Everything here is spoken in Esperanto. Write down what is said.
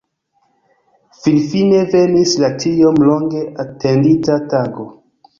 Finfine venis la tiom longe atendita tago.